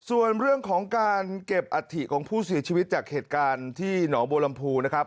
ส่วนเรื่องของการเก็บอัฐิของผู้เสียชีวิตจากเหตุการณ์ที่หนองบัวลำพูนะครับ